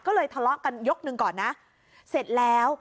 ก็เลยทะเลาะกันยกหนึ่งก่อนนะเสร็จแล้ว